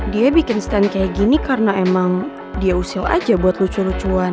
dia bikin stand kayak gini karena emang dia usil aja buat lucu lucuan